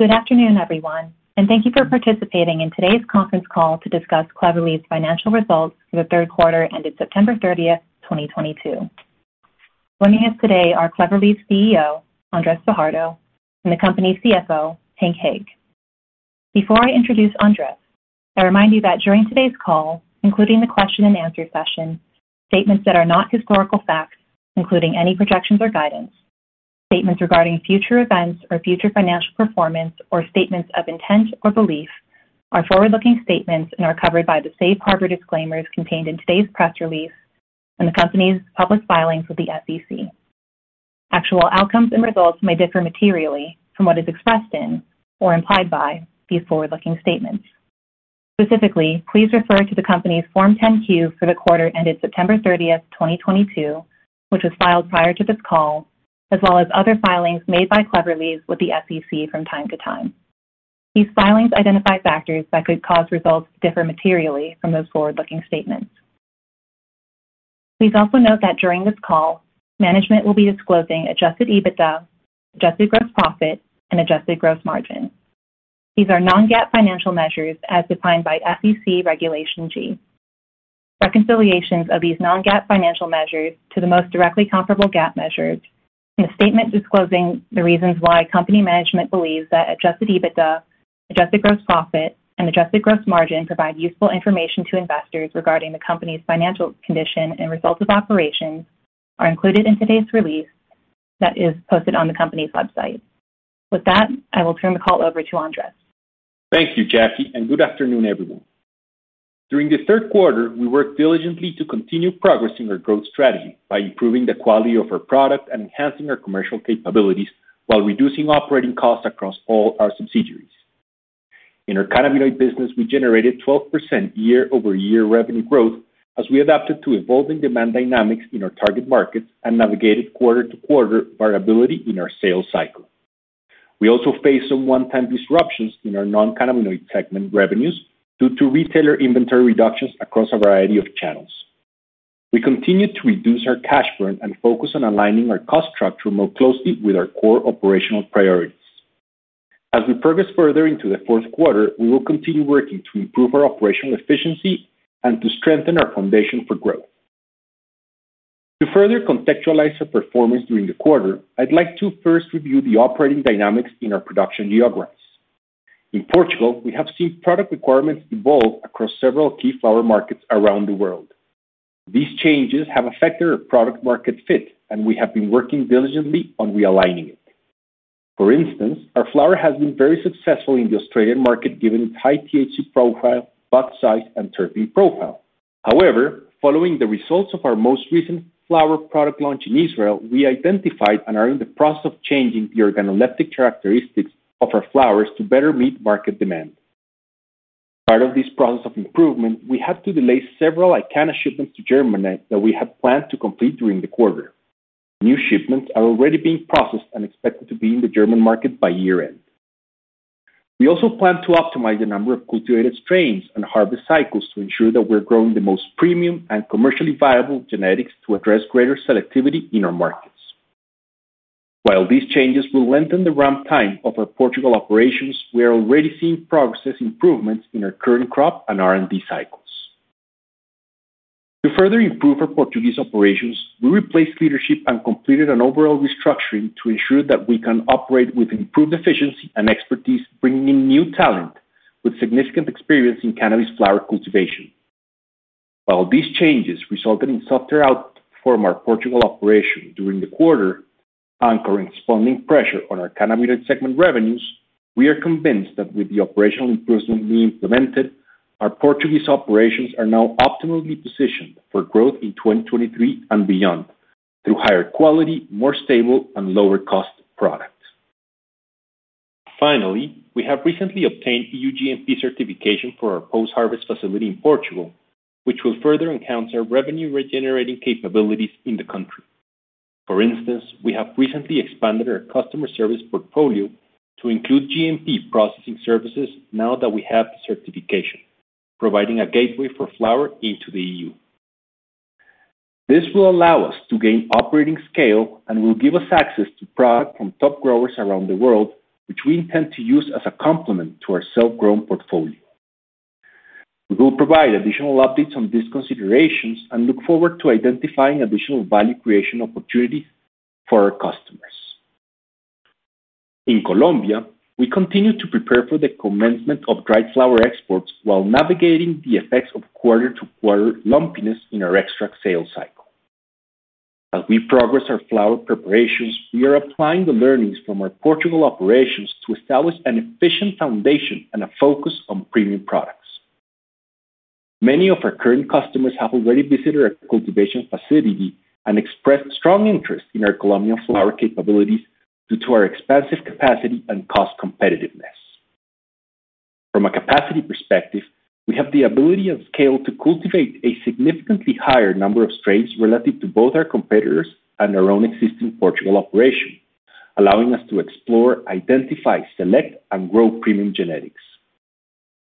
Good afternoon, everyone, and thank you for participating in today's conference call to discuss Clever Leaves' financial results for the third quarter ended September 30th, 2022. Joining us today are Clever Leaves' CEO, Andrés Fajardo, and the company's CFO, Hank Hague. Before I introduce Andrés, I remind you that during today's call, including the question and answer session, statements that are not historical facts, including any projections or guidance, statements regarding future events or future financial performance or statements of intent or belief, are forward-looking statements and are covered by the Safe Harbor Disclaimers contained in today's press release and the company's public filings with the SEC. Actual outcomes and results may differ materially from what is expressed in or implied by these forward-looking statements. Specifically, please refer to the company's Form 10-Q for the quarter ended September 30th, 2022, which was filed prior to this call, as well as other filings made by Clever Leaves with the SEC from time to time. These filings identify factors that could cause results to differ materially from those forward-looking statements. Please also note that during this call, management will be disclosing adjusted EBITDA, adjusted gross profit, and adjusted gross margin. These are non-GAAP financial measures as defined by SEC Regulation G. Reconciliations of these non-GAAP financial measures to the most directly comparable GAAP measures in a statement disclosing the reasons why company management believes that adjusted EBITDA, adjusted gross profit, and adjusted gross margin provide useful information to investors regarding the company's financial condition and results of operations are included in today's release that is posted on the company's website. With that, I will turn the call over to Andrés. Thank you, Jackie, and good afternoon, everyone. During the third quarter, we worked diligently to continue progressing our growth strategy by improving the quality of our product and enhancing our commercial capabilities while reducing operating costs across all our subsidiaries. In our cannabinoid business, we generated 12% year-over-year revenue growth as we adapted to evolving demand dynamics in our target markets and navigated quarter-over-quarter variability in our sales cycle. We also faced some one-time disruptions in our non-cannabinoid segment revenues due to retailer inventory reductions across a variety of channels. We continued to reduce our cash burn and focus on aligning our cost structure more closely with our core operational priorities. As we progress further into the fourth quarter, we will continue working to improve our operational efficiency and to strengthen our foundation for growth. To further contextualize our performance during the quarter, I'd like to first review the operating dynamics in our production geographies. In Portugal, we have seen product requirements evolve across several key flower markets around the world. These changes have affected our product market fit, and we have been working diligently on realigning it. For instance, our flower has been very successful in the Australian market given its high THC profile, bud size, and terpene profile. However, following the results of our most recent flower product launch in Israel, we identified and are in the process of changing the organoleptic characteristics of our flowers to better meet market demand. As part of this process of improvement, we had to delay several IQANNA shipments to Germany that we had planned to complete during the quarter. New shipments are already being processed and expected to be in the German market by year-end. We also plan to optimize the number of cultivated strains and harvest cycles to ensure that we're growing the most premium and commercially viable genetics to address greater selectivity in our markets. While these changes will lengthen the ramp time of our Portugal operations, we are already seeing progress improvements in our current crop and R&D cycles. To further improve our Portuguese operations, we replaced leadership and completed an overall restructuring to ensure that we can operate with improved efficiency and expertise, bringing in new talent with significant experience in cannabis flower cultivation. While these changes resulted in softer output from our Portugal operation during the quarter and corresponding pressure on our cannabinoid segment revenues, we are convinced that with the operational improvements being implemented, our Portuguese operations are now optimally positioned for growth in 2023 and beyond through higher quality, more stable, and lower cost products. Finally, we have recently obtained EU GMP Certification for our post-harvest facility in Portugal, which will further enhance our revenue-generating capabilities in the country. For instance, we have recently expanded our customer service portfolio to include GMP processing services now that we have the certification, providing a gateway for flower into the EU. This will allow us to gain operating scale and will give us access to product from top growers around the world, which we intend to use as a complement to our self-grown portfolio. We will provide additional updates on these considerations and look forward to identifying additional value creation opportunities for our customers. In Colombia, we continue to prepare for the commencement of Dry Flower exports while navigating the effects of quarter-to-quarter lumpiness in our Extracts sales cycle. As we progress our flower preparations, we are applying the learnings from our Portugal operations to establish an efficient foundation and a focus on premium products. Many of our current customers have already visited our cultivation facility and expressed strong interest in our Colombian flower capabilities due to our expansive capacity and cost competitiveness. From a capacity perspective, we have the ability and scale to cultivate a significantly higher number of strains relative to both our competitors and our own existing Portugal operation, allowing us to explore, identify, select, and grow premium genetics.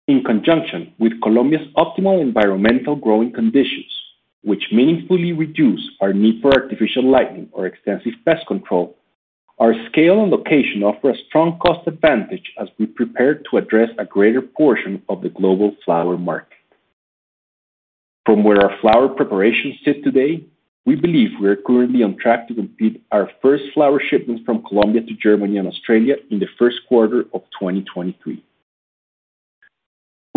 In conjunction with Colombia's optimal environmental growing conditions, which meaningfully reduce our need for artificial lighting or extensive pest control, our scale and location offer a strong cost advantage as we prepare to address a greater portion of the global flower market. From where our flower preparations sit today, we believe we are currently on track to complete our first flower shipments from Colombia to Germany and Australia in the first quarter of 2023.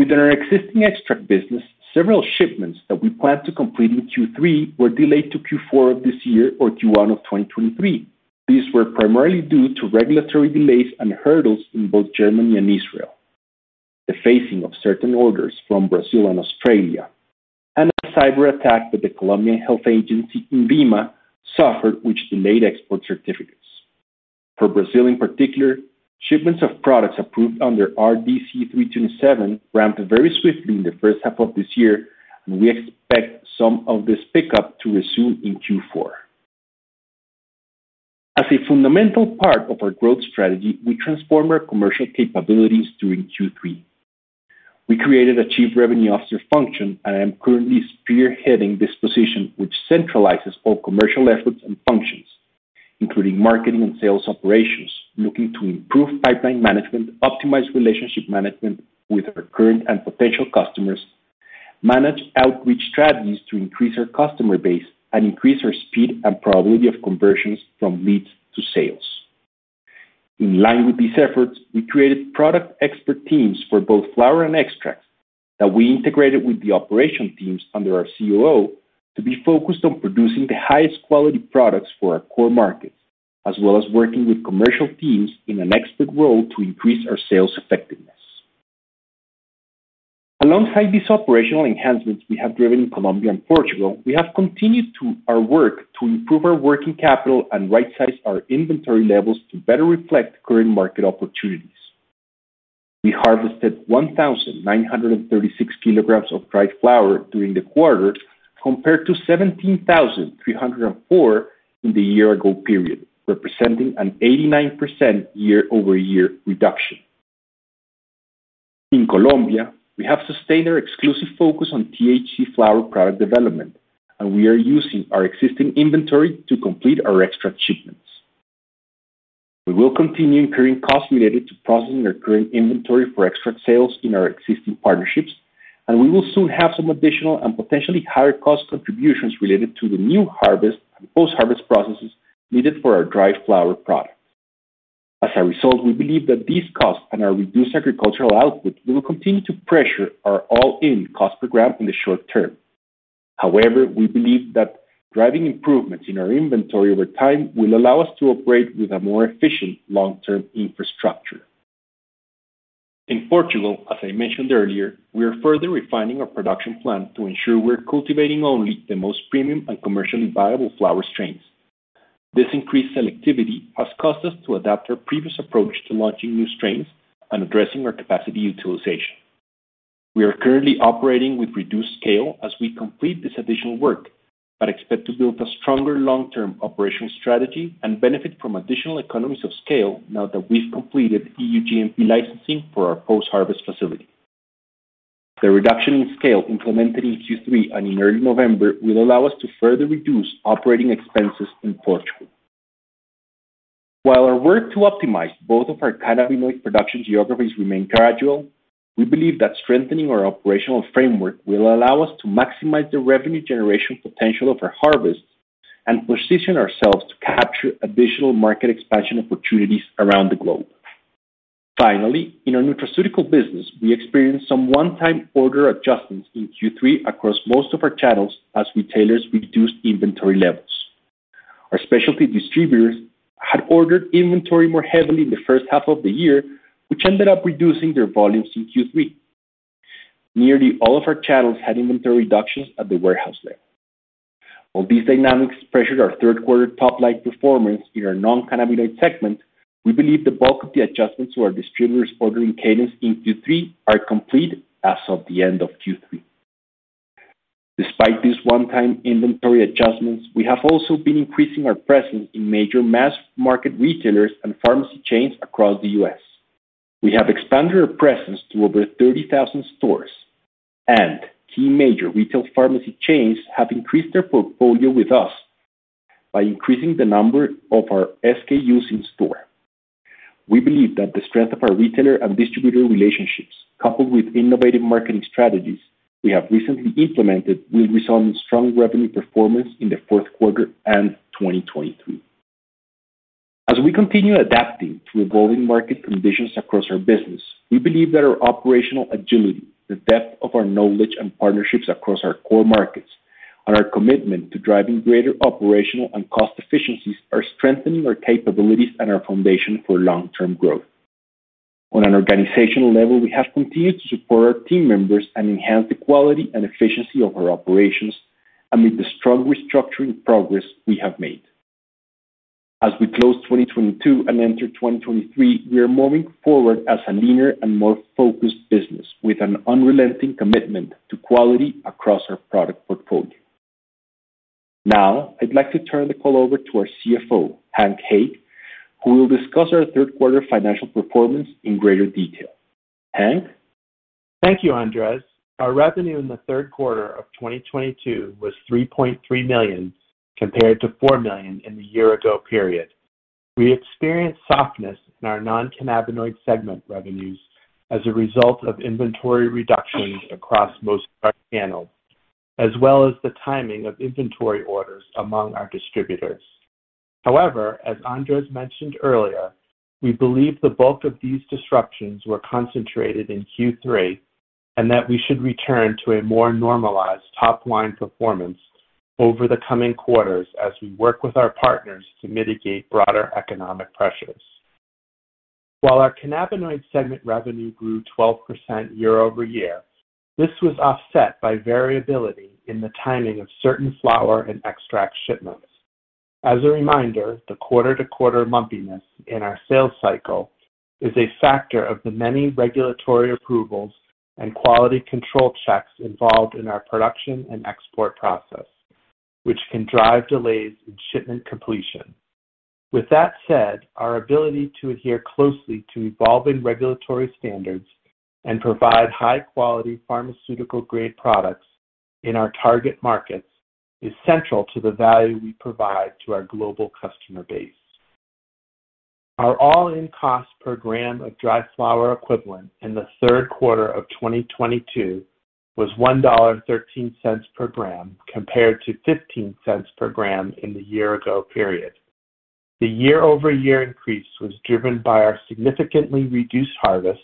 Within our existing extract business, several shipments that we planned to complete in Q3 were delayed to Q4 of this year or Q1 of 2023. These were primarily due to regulatory delays and hurdles in both Germany and Israel, the placing of certain orders from Brazil and Australia, and a cyber attack that the Colombian health agency, INVIMA, suffered, which delayed export certificates. For Brazil in particular, shipments of products approved under RDC 327 ramped very swiftly in the first half of this year, and we expect some of this pickup to resume in Q4. As a fundamental part of our growth strategy, we transformed our commercial capabilities during Q3. We created a Chief Revenue Officer function, and I am currently spearheading this position, which centralizes all commercial efforts and functions, including marketing and sales operations, looking to improve pipeline management, optimize relationship management with our current and potential customers, manage outreach strategies to increase our customer base, and increase our speed and probability of conversions from leads to sales. In line with these efforts, we created product expert teams for both flower and extracts that we integrated with the operation teams under our COO to be focused on producing the highest quality products for our core markets, as well as working with commercial teams in an expert role to increase our sales effectiveness. Alongside these operational enhancements we have driven in Colombia and Portugal, we have continued our work to improve our working capital and right-size our inventory levels to better reflect current market opportunities. We harvested 1,936 kg of dried flower during the quarter compared to 17,304 kg in the year ago period, representing an 89% year-over-year reduction. In Colombia, we have sustained our exclusive focus on THC flower product development, and we are using our existing inventory to complete our extract shipments. We will continue incurring costs related to processing our current inventory for Extract sales in our existing partnerships, and we will soon have some additional and potentially higher cost contributions related to the new harvest and post-harvest processes needed for our Dry Flower product. As a result, we believe that these costs and our reduced agricultural output will continue to pressure our all-in cost per gram in the short term. However, we believe that driving improvements in our inventory over time will allow us to operate with a more efficient long-term infrastructure. In Portugal, as I mentioned earlier, we are further refining our production plan to ensure we're cultivating only the most premium and commercially viable flower strains. This increased selectivity has caused us to adapt our previous approach to launching new strains and addressing our capacity utilization. We are currently operating with reduced scale as we complete this additional work, but expect to build a stronger long-term operation strategy and benefit from additional economies of scale now that we've completed EU GMP licensing for our post-harvest facility. The reduction in scale implemented in Q3 and in early November will allow us to further reduce operating expenses in Portugal. While our work to optimize both of our cannabinoid production geographies remain gradual, we believe that strengthening our operational framework will allow us to maximize the revenue generation potential of our harvest and position ourselves to capture additional market expansion opportunities around the globe. Finally, in our nutraceutical business, we experienced some one-time order adjustments in Q3 across most of our channels as retailers reduced inventory levels. Our specialty distributors had ordered inventory more heavily in the first half of the year, which ended up reducing their volumes in Q3. Nearly all of our channels had inventory reductions at the warehouse level. While these dynamics pressured our third quarter top-line performance in our non-cannabinoid segment, we believe the bulk of the adjustments to our distributors' ordering cadence in Q3 are complete as of the end of Q3. Despite these one-time inventory adjustments, we have also been increasing our presence in major mass market retailers and pharmacy chains across the U.S.. We have expanded our presence to over 30,000 stores, and key major retail pharmacy chains have increased their portfolio with us by increasing the number of our SKUs in store. We believe that the strength of our retailer and distributor relationships, coupled with innovative marketing strategies we have recently implemented, will result in strong revenue performance in the fourth quarter and 2023. As we continue adapting to evolving market conditions across our business, we believe that our operational agility, the depth of our knowledge and partnerships across our core markets, and our commitment to driving greater operational and cost efficiencies are strengthening our capabilities and our foundation for long-term growth. On an organizational level, we have continued to support our team members and enhance the quality and efficiency of our operations amid the strong restructuring progress we have made. As we close 2022 and enter 2023, we are moving forward as a leaner and more focused business with an unrelenting commitment to quality across our product portfolio. Now I'd like to turn the call over to our CFO, Hank Hague, who will discuss our third quarter financial performance in greater detail. Hank? Thank you, Andrés. Our revenue in the third quarter of 2022 was $3.3 million, compared to $4 million in the year ago period. We experienced softness in our non-cannabinoid segment revenues as a result of inventory reductions across most of our channels, as well as the timing of inventory orders among our distributors. However, as Andrés mentioned earlier, we believe the bulk of these disruptions were concentrated in Q3, and that we should return to a more normalized top line performance over the coming quarters as we work with our partners to mitigate broader economic pressures. While our cannabinoid segment revenue grew 12% year-over-year, this was offset by variability in the timing of certain flower and extract shipments. As a reminder, the quarter-to-quarter bumpiness in our sales cycle is a factor of the many regulatory approvals and quality control checks involved in our production and export process, which can drive delays in shipment completion. With that said, our ability to adhere closely to evolving regulatory standards and provide high-quality pharmaceutical-grade products in our target markets is central to the value we provide to our global customer base. Our all-in cost per gram of Dry Flower equivalent in the third quarter of 2022 was $1.13 per gram, compared to $0.15 per gram in the year ago period. The year-over-year increase was driven by our significantly reduced harvest,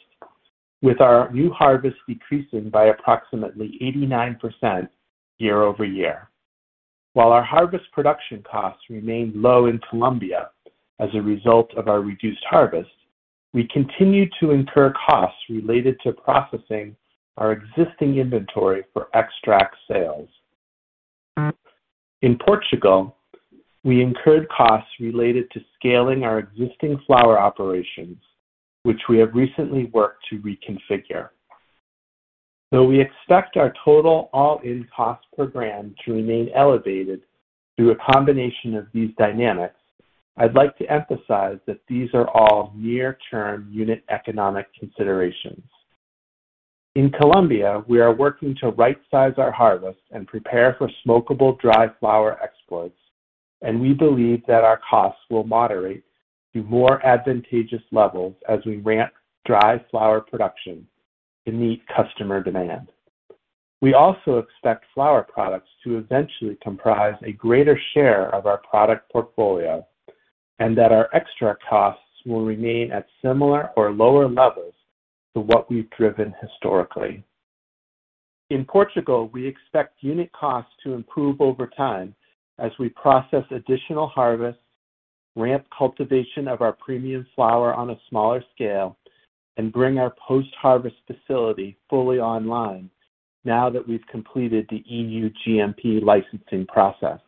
with our new harvest decreasing by approximately 89% year-over-year. While our harvest production costs remained low in Colombia as a result of our reduced harvest, we continued to incur costs related to processing our existing inventory for extract sales. In Portugal, we incurred costs related to scaling our existing flower operations, which we have recently worked to reconfigure. Though we expect our total all-in cost per gram to remain elevated through a combination of these dynamics, I'd like to emphasize that these are all near-term unit economic considerations. In Colombia, we are working to right-size our harvest and prepare for smokable Dry Flower exports, and we believe that our costs will moderate to more advantageous levels as we ramp Dry Flower production to meet customer demand. We also expect flower products to eventually comprise a greater share of our product portfolio, and that our extract costs will remain at similar or lower levels to what we've driven historically. In Portugal, we expect unit costs to improve over time as we process additional harvests, ramp cultivation of our premium flower on a smaller scale, and bring our post-harvest facility fully online now that we've completed the EU GMP licensing process.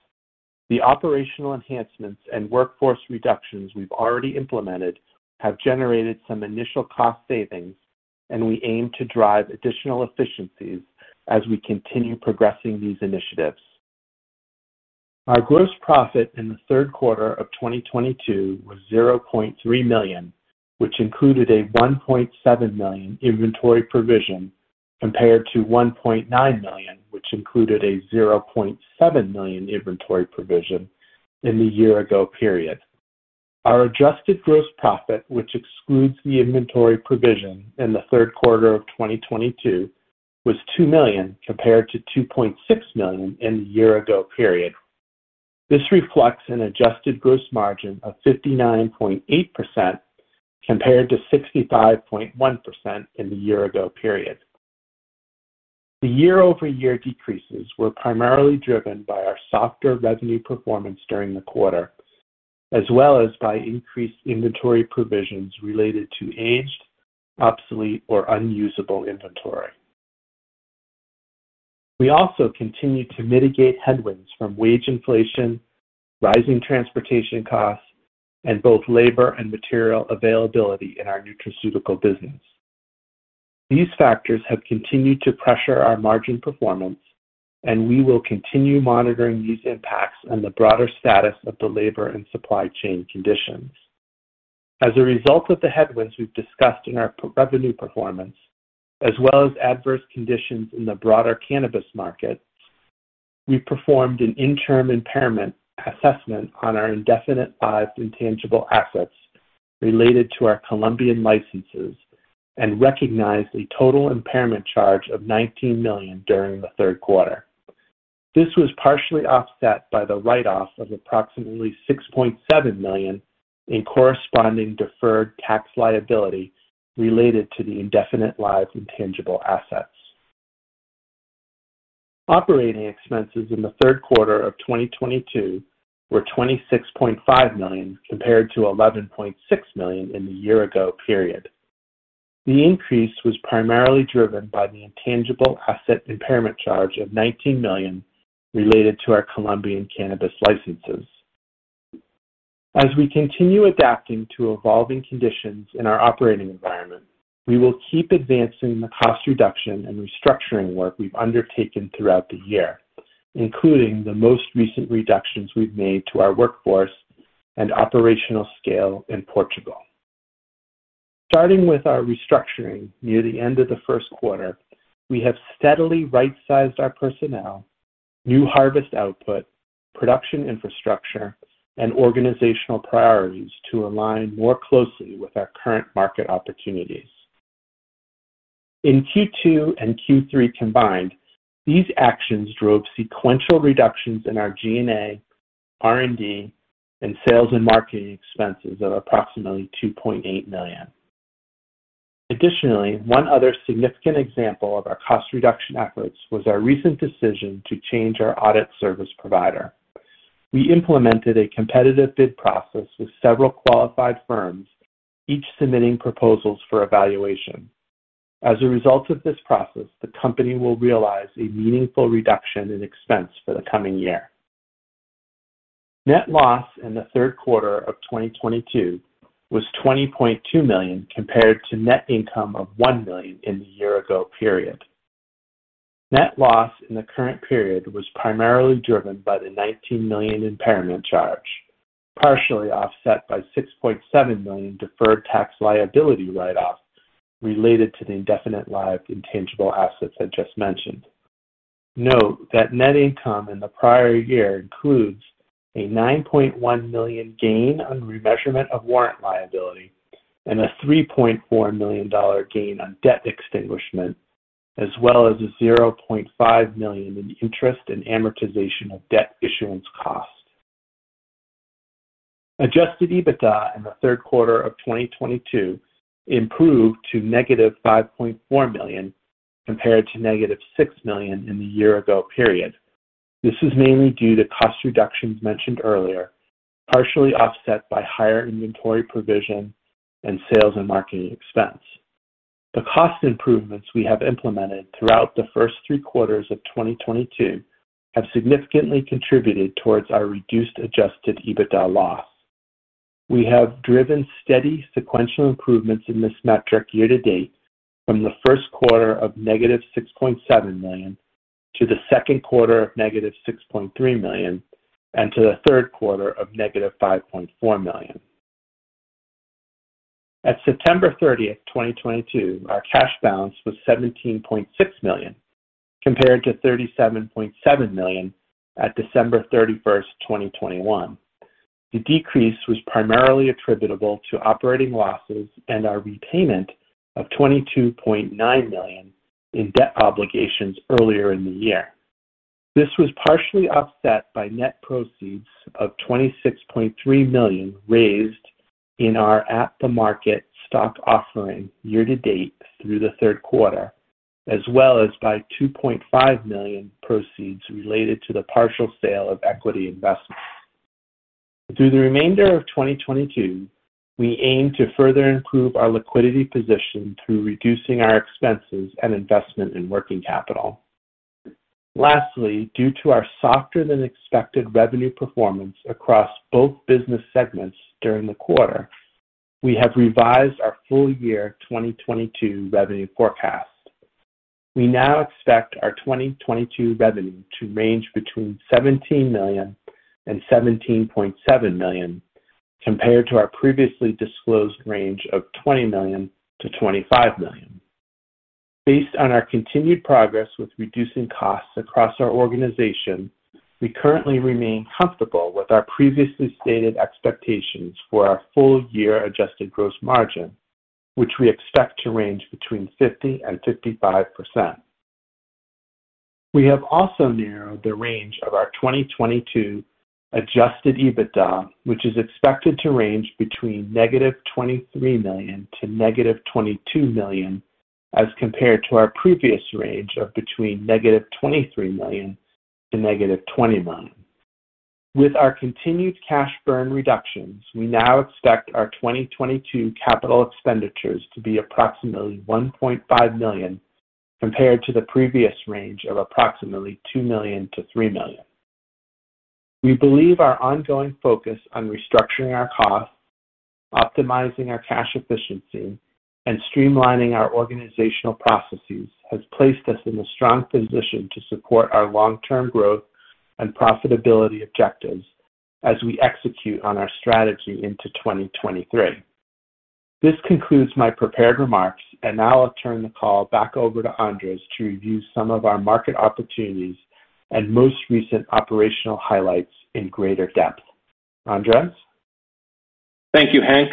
The operational enhancements and workforce reductions we've already implemented have generated some initial cost savings, and we aim to drive additional efficiencies as we continue progressing these initiatives. Our gross profit in the third quarter of 2022 was $0.3 million, which included a $1.7 million inventory provision, compared to $1.9 million, which included a $0.7 million inventory provision in the year ago period. Our adjusted gross profit, which excludes the inventory provision in the third quarter of 2022, was $2 million, compared to $2.6 million in the year ago period. This reflects an adjusted gross margin of 59.8% compared to 65.1% in the year ago period. The year-over-year decreases were primarily driven by our softer revenue performance during the quarter, as well as by increased inventory provisions related to aged, obsolete, or unusable inventory. We also continued to mitigate headwinds from wage inflation, rising transportation costs, and both labor and material availability in our nutraceutical business. These factors have continued to pressure our margin performance, and we will continue monitoring these impacts on the broader status of the labor and supply chain conditions. As a result of the headwinds we've discussed in our revenue performance, as well as adverse conditions in the broader cannabis market, we performed an interim impairment assessment on our indefinite lives intangible assets related to our Colombian licenses and recognized a total impairment charge of $19 million during the third quarter. This was partially offset by the write-off of approximately $6.7 million in corresponding deferred tax liability related to the indefinite lives intangible assets. Operating expenses in the third quarter of 2022 were $26.5 million compared to $11.6 million in the year ago period. The increase was primarily driven by the intangible asset impairment charge of $19 million related to our Colombian cannabis licenses. As we continue adapting to evolving conditions in our operating environment, we will keep advancing the cost reduction and restructuring work we've undertaken throughout the year, including the most recent reductions we've made to our workforce and operational scale in Portugal. Starting with our restructuring near the end of the first quarter, we have steadily right-sized our personnel, new harvest output, production infrastructure, and organizational priorities to align more closely with our current market opportunities. In Q2 and Q3 combined, these actions drove sequential reductions in our G&A, R&D, and sales and marketing expenses of approximately $2.8 million. Additionally, one other significant example of our cost reduction efforts was our recent decision to change our audit service provider. We implemented a competitive bid process with several qualified firms, each submitting proposals for evaluation. As a result of this process, the company will realize a meaningful reduction in expense for the coming year. Net loss in the third quarter of 2022 was $20.2 million compared to net income of $1 million in the year ago period. Net loss in the current period was primarily driven by the $19 million impairment charge, partially offset by $6.7 million deferred tax liability write-off related to the indefinite-lived intangible assets I just mentioned. Note that net income in the prior year includes a $9.1 million gain on remeasurement of warrant liability and a $3.4 million gain on debt extinguishment, as well as a $0.5 million in interest and amortization of debt issuance costs. Adjusted EBITDA in the third quarter of 2022 improved to -$5.4 million compared to -$6 million in the year ago period. This is mainly due to cost reductions mentioned earlier, partially offset by higher inventory provision and sales and marketing expense. The cost improvements we have implemented throughout the first three quarters of 2022 have significantly contributed towards our reduced adjusted EBITDA loss. We have driven steady sequential improvements in this metric year to date from the first quarter of -$6.7 million to the second quarter of -$6.3 million and to the third quarter of -$5.4 million. At September 30th, 2022, our cash balance was $17.6 million compared to $37.7 million at December 31st, 2021. The decrease was primarily attributable to operating losses and our repayment of $22.9 million in debt obligations earlier in the year. This was partially offset by net proceeds of $26.3 million raised in our at-the-market stock offering year to date through the third quarter, as well as by $2.5 million proceeds related to the partial sale of equity investments. Through the remainder of 2022, we aim to further improve our liquidity position through reducing our expenses and investment in working capital. Lastly, due to our softer than expected revenue performance across both business segments during the quarter, we have revised our full year 2022 revenue forecast. We now expect our 2022 revenue to range between $17 million and $17.7 million compared to our previously disclosed range of $20 million-$25 million. Based on our continued progress with reducing costs across our organization, we currently remain comfortable with our previously stated expectations for our full year adjusted gross margin, which we expect to range between 50% and 55%. We have also narrowed the range of our 2022 adjusted EBITDA, which is expected to range between -$23 million to -$22 million as compared to our previous range of between -$23 million to -$21 million. With our continued cash burn reductions, we now expect our 2022 capital expenditures to be approximately $1.5 million compared to the previous range of approximately $2 million-$3 million. We believe our ongoing focus on restructuring our costs, optimizing our cash efficiency, and streamlining our organizational processes has placed us in a strong position to support our long-term growth and profitability objectives as we execute on our strategy into 2023. This concludes my prepared remarks, and now I'll turn the call back over to Andrés to review some of our market opportunities and most recent operational highlights in greater depth. Andrés? Thank you, Hank.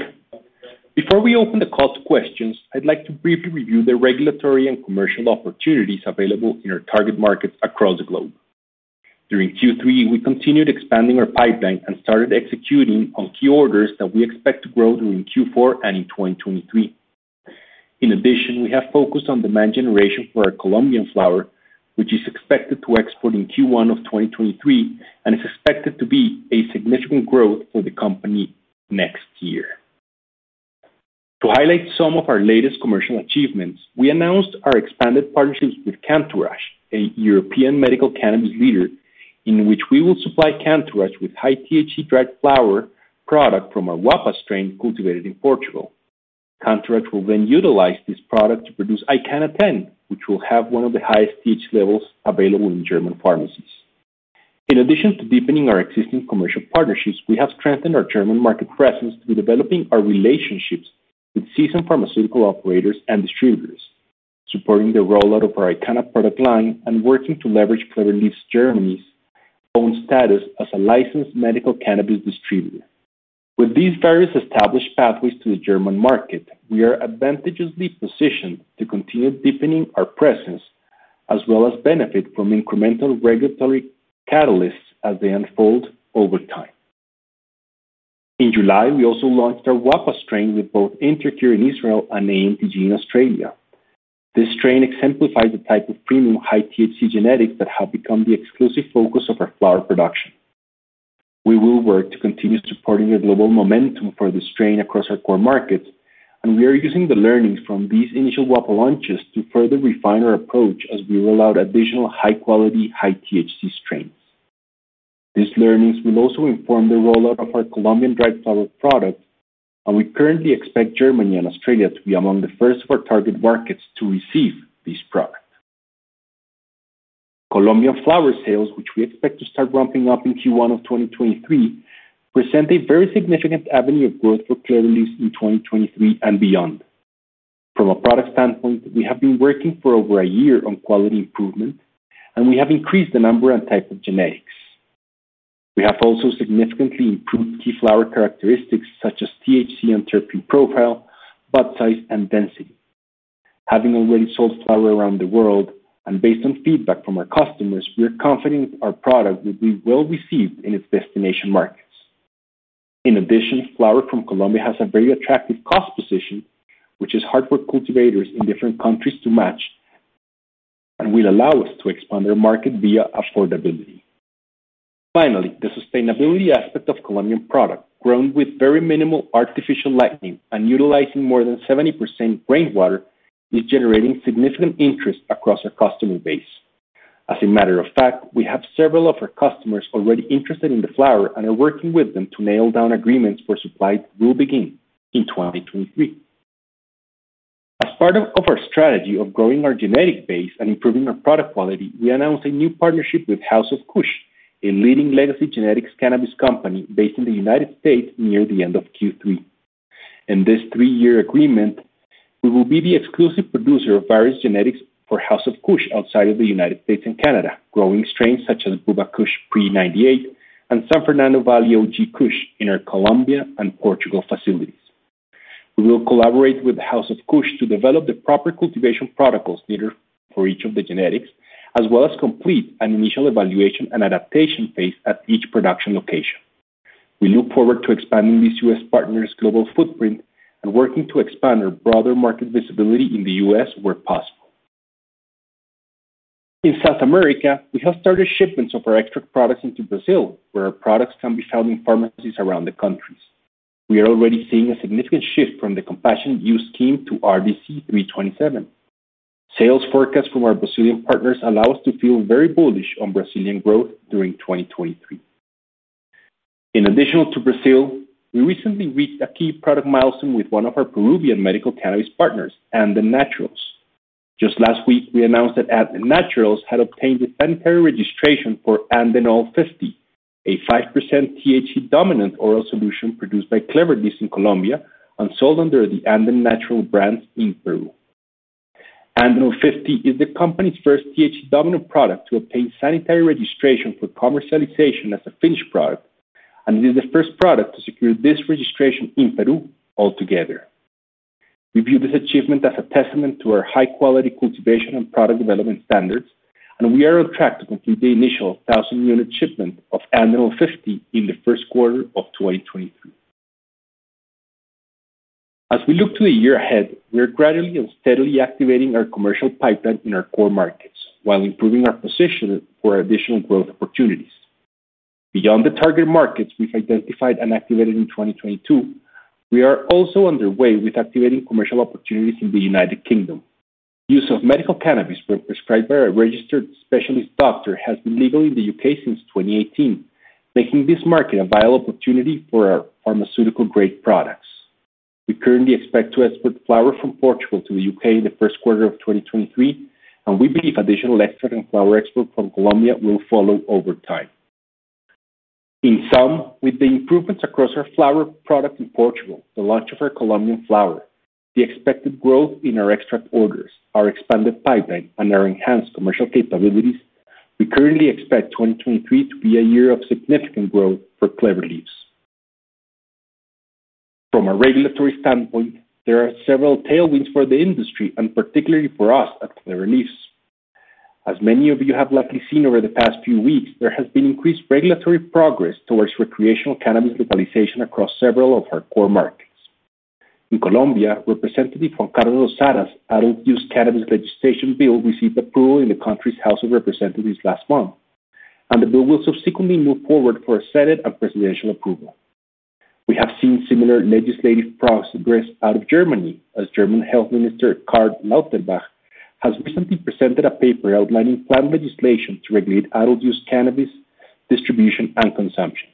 Before we open the call to questions, I'd like to briefly review the regulatory and commercial opportunities available in our target markets across the globe. During Q3, we continued expanding our pipeline and started executing on key orders that we expect to grow during Q4 and in 2023. In addition, we have focused on demand generation for our Colombian flower, which is expected to export in Q1 of 2023 and is expected to be a significant growth for the company next year. To highlight some of our latest commercial achievements, we announced our expanded partnerships with Cantourage, a European medical cannabis leader, in which we will supply Cantourage with high THC dried flower product from our Wappa strain cultivated in Portugal. Cantourage will then utilize this product to produce IQANNA No 10, which will have one of the highest THC levels available in German pharmacies. In addition to deepening our existing commercial partnerships, we have strengthened our German market presence through developing our relationships with seasoned pharmaceutical operators and distributors, supporting the rollout of our IQANNA product line and working to leverage Clever Leaves Germany's own status as a licensed medical cannabis distributor. With these various established pathways to the German market, we are advantageously positioned to continue deepening our presence as well as benefit from incremental regulatory catalysts as they unfold over time. In July, we also launched our Wappa strain with both InterCure in Israel and ANTG in Australia. This strain exemplifies the type of premium high-THC genetics that have become the exclusive focus of our flower production. We will work to continue supporting the global momentum for the strain across our core markets, and we are using the learnings from these initial Wappa launches to further refine our approach as we roll out additional high-quality, high-THC strains. These learnings will also inform the rollout of our Colombian dried flower product, and we currently expect Germany and Australia to be among the first of our target markets to receive this product. Colombian flower sales, which we expect to start ramping up in Q1 of 2023, present a very significant avenue of growth for Clever Leaves in 2023 and beyond. From a product standpoint, we have been working for over a year on quality improvement, and we have increased the number and type of genetics. We have also significantly improved key flower characteristics such as THC and terpene profile, bud size, and density. Having already sold flower around the world and based on feedback from our customers, we are confident our product will be well-received in its destination markets. In addition, flower from Colombia has a very attractive cost position, which is hard for cultivators in different countries to match, and will allow us to expand their market via affordability. Finally, the sustainability aspect of Colombian product, grown with very minimal artificial lighting and utilizing more than 70% rainwater, is generating significant interest across our customer base. As a matter of fact, we have several of our customers already interested in the flower and are working with them to nail down agreements where supply will begin in 2023. As part of our strategy of growing our genetic base and improving our product quality, we announced a new partnership with House of Kush, a leading legacy genetics cannabis company based in the United States, near the end of Q3. In this three-year agreement, we will be the exclusive producer of various genetics for House of Kush outside of the United States and Canada, growing strains such as Pre-98 Bubba Kush and San Fernando Valley OG Kush in our Colombia and Portugal facilities. We will collaborate with the House of Kush to develop the proper cultivation protocols needed for each of the genetics, as well as complete an initial evaluation and adaptation phase at each production location. We look forward to expanding this U.S. partner's global footprint and working to expand our broader market visibility in the U.S. where possible. In South America, we have started shipments of our extract products into Brazil, where our products can be found in pharmacies around the countries. We are already seeing a significant shift from the compassionate use team to RDC 327. Sales forecast from our Brazilian partners allow us to feel very bullish on Brazilian growth during 2023. In addition to Brazil, we recently reached a key product milestone with one of our Peruvian medical cannabis partners, Anden Naturals. Just last week, we announced that Anden Naturals had obtained the sanitary registration for Andenol 50, a 5% THC-dominant oral solution produced by Clever Leaves in Colombia and sold under the Anden Naturals brand in Peru. Andenol 50 is the company's first THC-dominant product to obtain sanitary registration for commercialization as a finished product, and it is the first product to secure this registration in Peru altogether. We view this achievement as a testament to our high-quality cultivation and product development standards, and we are on track to complete the initial 1,000-unit shipment of Andenol 50 in the first quarter of 2023. As we look to the year ahead, we are gradually and steadily activating our commercial pipeline in our core markets while improving our position for additional growth opportunities. Beyond the target markets we've identified and activated in 2022, we are also underway with activating commercial opportunities in the United Kingdom. Use of medical cannabis when prescribed by a registered specialist doctor has been legal in the U.K. since 2018, making this market a viable opportunity for our pharmaceutical-grade products. We currently expect to export flower from Portugal to the U.K. in the first quarter of 2023, and we believe additional extract and flower export from Colombia will follow over time. In sum, with the improvements across our flower product in Portugal, the launch of our Colombian flower, the expected growth in our extract orders, our expanded pipeline, and our enhanced commercial capabilities, we currently expect 2023 to be a year of significant growth for Clever Leaves. From a regulatory standpoint, there are several tailwinds for the industry and particularly for us at Clever Leaves. As many of you have likely seen over the past few weeks, there has been increased regulatory progress towards recreational cannabis legalization across several of our core markets. In Colombia, Representative Juan Carlos Losada adult-use cannabis legislation bill received approval in the country's House of Representatives last month. The bill will subsequently move forward for Senate and Presidential approval. We have seen similar legislative progress out of Germany as German Health Minister Karl Lauterbach has recently presented a paper outlining planned legislation to regulate adult-use cannabis distribution and consumption.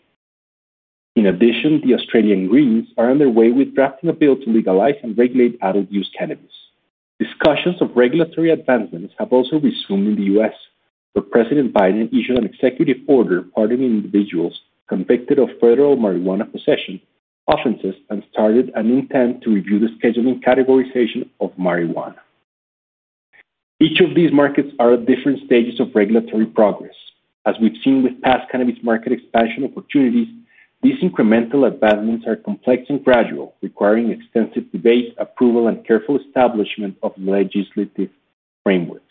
In addition, the Australian Greens are underway with drafting a bill to legalize and regulate adult-use cannabis. Discussions of regulatory advancements have also resumed in the U.S., where President Biden issued an executive order pardoning individuals convicted of federal marijuana possession offenses and started an intent to review the scheduling categorization of marijuana. Each of these markets are at different stages of regulatory progress. As we've seen with past cannabis market expansion opportunities, these incremental advancements are complex and gradual, requiring extensive debate, approval, and careful establishment of legislative frameworks.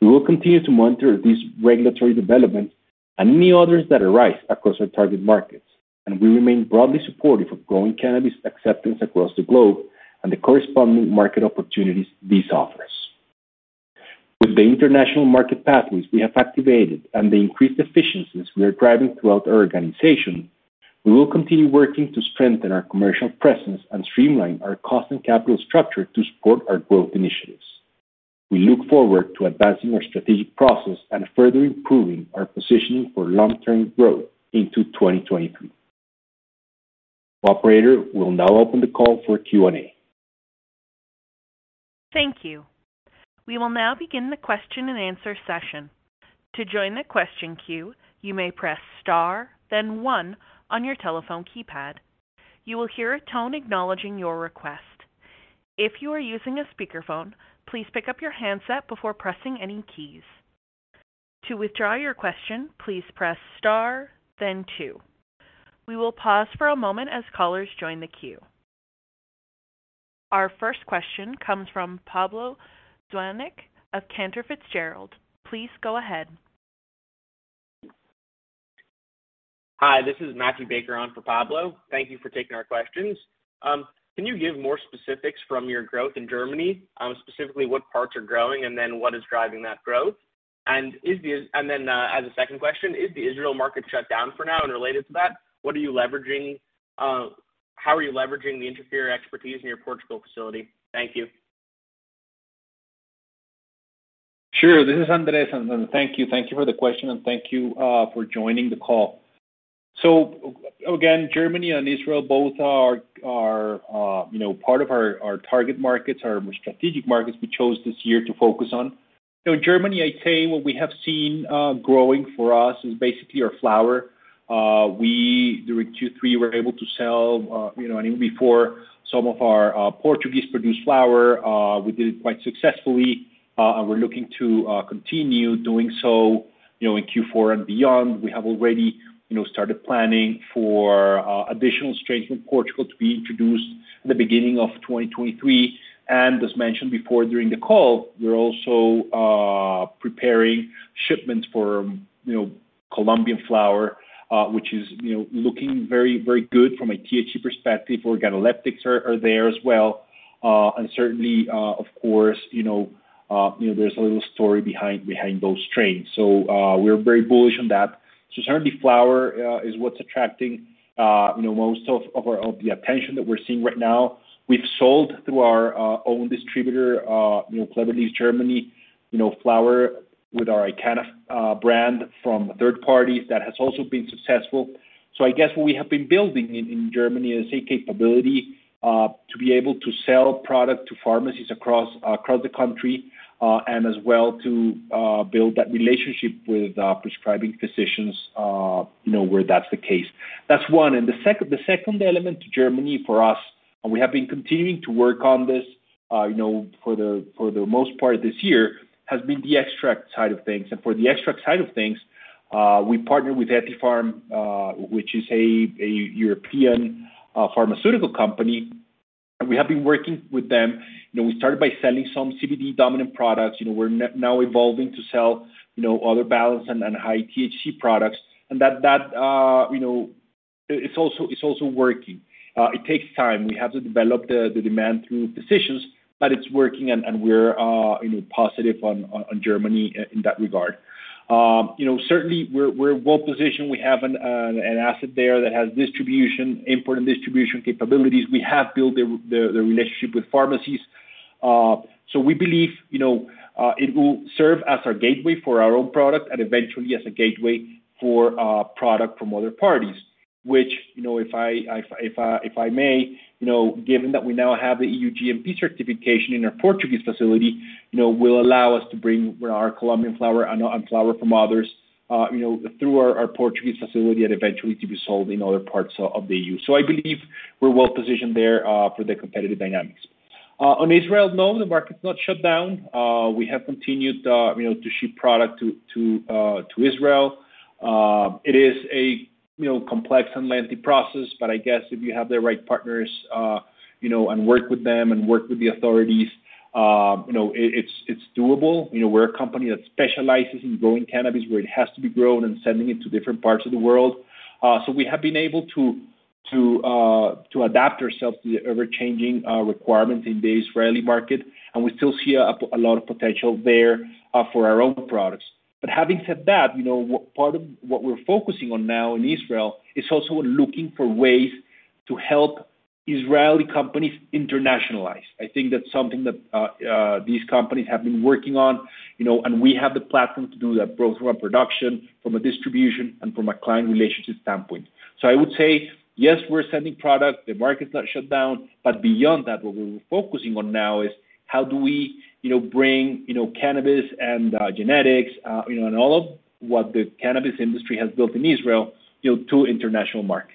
We will continue to monitor these regulatory developments and any others that arise across our target markets, and we remain broadly supportive of growing cannabis acceptance across the globe and the corresponding market opportunities this offers. With the international market pathways we have activated and the increased efficiencies we are driving throughout our organization, we will continue working to strengthen our commercial presence and streamline our cost and capital structure to support our growth initiatives. We look forward to advancing our strategic process and further improving our positioning for long-term growth into 2023. Operator, we'll now open the call for Q&A. Thank you. We will now begin the question-and-answer session. To join the question queue, you may press star, then one on your telephone keypad. You will hear a tone acknowledging your request. If you are using a speakerphone, please pick up your handset before pressing any keys. To withdraw your question, please press star then two. We will pause for a moment as callers join the queue. Our first question comes from Pablo Zuanic of Cantor Fitzgerald. Please go ahead. Hi, this is Matthew Baker on for Pablo. Thank you for taking our questions. Can you give more specifics from your growth in Germany, specifically what parts are growing and then what is driving that growth? As a second question, is the Israel market shut down for now? Related to that, how are you leveraging the in-house expertise in your Portugal facility? Thank you. Sure. This is Andrés and thank you. Thank you for the question, and thank you for joining the call. Again, Germany and Israel both are you know part of our target markets, our strategic markets we chose this year to focus on. You know, Germany, I'd say what we have seen growing for us is basically our flower. We during Q3 were able to sell you know and even before some of our Portuguese-produced flower we did it quite successfully and we're looking to continue doing so you know in Q4 and beyond. We have already you know started planning for additional strains from Portugal to be introduced in the beginning of 2023. As mentioned before during the call, we're also preparing shipments for, you know, Colombian flower, which is, you know, looking very, very good from a THC perspective. Organoleptics are there as well. Certainly, of course, you know, there's a little story behind those strains. We're very bullish on that. Certainly flower is what's attracting, you know, most of our attention that we're seeing right now. We've sold through our own distributor, you know, Clever Leaves Germany, you know, flower with our IQANNA brand from third parties. That has also been successful. I guess what we have been building in Germany is a capability to be able to sell product to pharmacies across the country and as well to build that relationship with prescribing physicians you know where that's the case. That's one. The second element to Germany for us and we have been continuing to work on this you know for the most part this year has been the extract side of things. For the extract side of things we partnered with Ethypharm which is a European pharmaceutical company and we have been working with them. You know we started by selling some CBD-dominant products. You know we're now evolving to sell you know other balanced and high-THC products. That you know it's also working. It takes time. We have to develop the demand through physicians, but it's working, and we're, you know, positive on Germany in that regard. You know, certainly we're well-positioned. We have an asset there that has distribution, import and distribution capabilities. We have built the relationship with pharmacies. We believe, you know, it will serve as our gateway for our own product and eventually as a gateway for product from other parties, which, you know, if I may, you know, given that we now have the EU GMP Certification in our Portuguese facility, you know, will allow us to bring our Colombian flower and flower from others, you know, through our Portuguese facility and eventually to be sold in other parts of the EU. I believe we're well positioned there for the competitive dynamics. On Israel, no, the market's not shut down. We have continued, you know, to ship product to Israel. It is a, you know, complex and lengthy process, but I guess if you have the right partners, you know, and work with them and work with the authorities, you know, it is doable. You know, we're a company that specializes in growing cannabis where it has to be grown and sending it to different parts of the world. We have been able to adapt ourselves to the ever-changing requirements in the Israeli market, and we still see a lot of potential there for our own products. Having said that, you know, part of what we're focusing on now in Israel is also looking for ways to help Israeli companies internationalize. I think that's something that these companies have been working on, you know, and we have the platform to do that both from a production, from a distribution, and from a client relationship standpoint. I would say yes, we're sending product, the market's not shut down. Beyond that, what we're focusing on now is how do we, you know, bring, you know, cannabis and genetics, you know, and all of what the cannabis industry has built in Israel, you know, to international markets.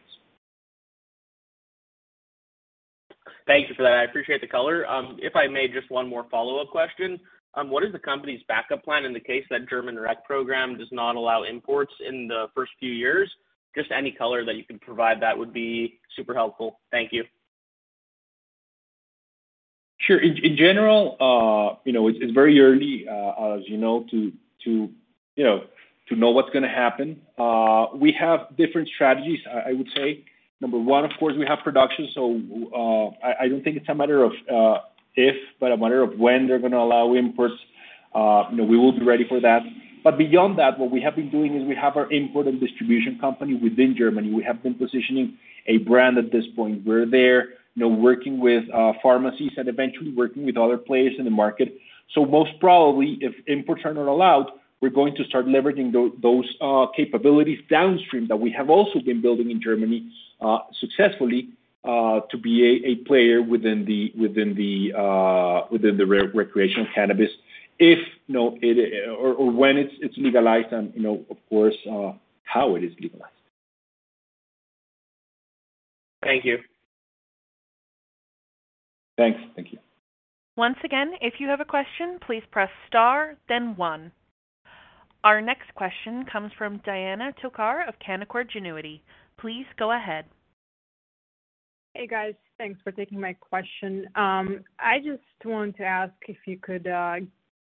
Thank you for that. I appreciate the color. If I may, just one more follow-up question. What is the company's backup plan in the case that German rec program does not allow imports in the first few years? Just any color that you can provide that would be super helpful. Thank you. Sure. In general, you know, it's very early, as you know, to know what's gonna happen. We have different strategies, I would say. Number one, of course, we have production, so I don't think it's a matter of if, but a matter of when they're gonna allow imports. You know, we will be ready for that. Beyond that, what we have been doing is we have our import and distribution company within Germany. We have been positioning a brand at this point. We're there, you know, working with pharmacies and eventually working with other players in the market. Most probably, if imports are not allowed, we're going to start leveraging those capabilities downstream that we have also been building in Germany successfully to be a player within the recreational cannabis if you know it or when it's legalized and you know of course how it is legalized. Thank you. Thanks. Thank you. Once again, if you have a question, please press star then one. Our next question comes from Diana Tokar of Canaccord Genuity. Please go ahead. Hey, guys. Thanks for taking my question. I just want to ask if you could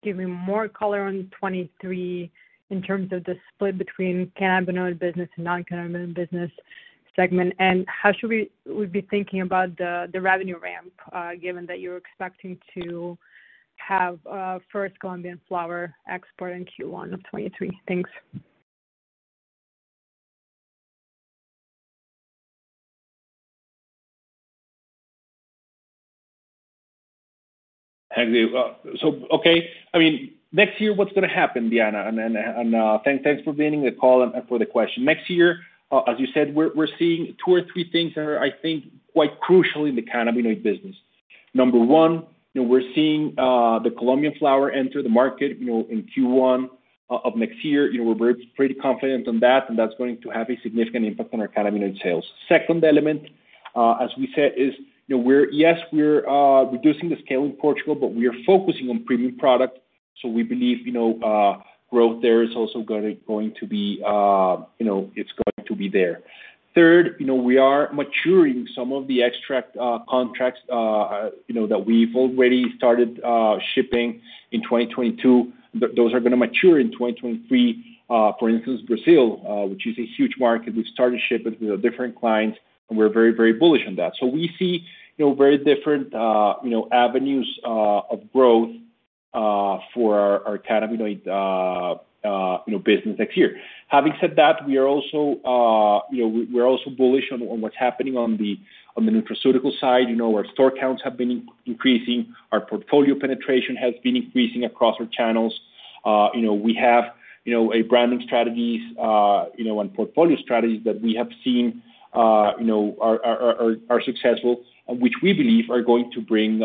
give me more color on 2023 in terms of the split between cannabinoid business and non-cannabinoid business segment. How should we be thinking about the revenue ramp, given that you're expecting to have first Colombian flower export in Q1 of 2023? Thanks. Thank you. So okay. I mean, next year, what's gonna happen, Diana? Then, thanks for being in the call and for the question. Next year, as you said, we're seeing two or three things that are, I think, quite crucial in the cannabinoid business. Number one, you know, we're seeing the Colombian flower enter the market, you know, in Q1 of next year. You know, we're pretty confident on that, and that's going to have a significant impact on our cannabinoid sales. Second element, as we said, is, you know, we're reducing the scale in Portugal, but we are focusing on premium product. So we believe, you know, growth there is also going to be, you know, it's going to be there. Third, you know, we are maturing some of the extract contracts, you know, that we've already started shipping in 2022. Those are gonna mature in 2023. For instance, Brazil, which is a huge market, we've started shipping with different clients, and we're very, very bullish on that. We see, you know, very different, you know, avenues of growth for our cannabinoid, you know, business next year. Having said that, we are also, you know, we're also bullish on what's happening on the nutraceutical side. You know, our store counts have been increasing. Our portfolio penetration has been increasing across our channels. You know, we have, you know, a branding strategies, you know, and portfolio strategies that we have seen, you know, are successful, and which we believe are going to bring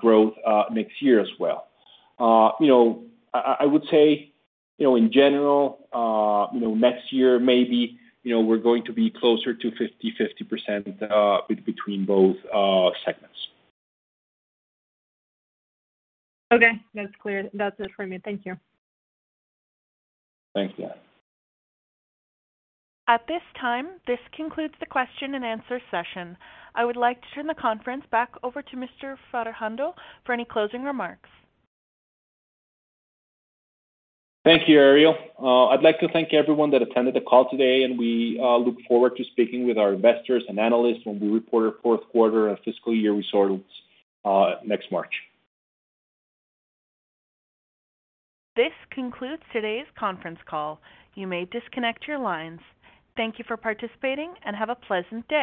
growth next year as well. You know, I would say, in general, you know, next year, maybe, you know, we're going to be closer to 50/50%, between both segments. Okay. That's clear. That's it from me. Thank you. Thanks, Diana. At this time, this concludes the question-and-answer session. I would like to turn the conference back over to Mr. Fajardo for any closing remarks. Thank you, Ariel. I'd like to thank everyone that attended the call today, and we look forward to speaking with our investors and analysts when we report our fourth quarter and fiscal year results next March. This concludes today's conference call. You may disconnect your lines. Thank you for participating, and have a pleasant day.